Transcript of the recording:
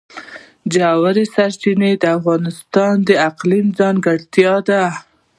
ژورې سرچینې د افغانستان د اقلیم ځانګړتیا ده.